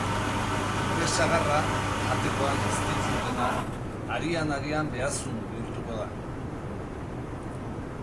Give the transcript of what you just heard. Urre sagarra, jatekoan eztitsu dena, arian-arian behazun bihurtuko da.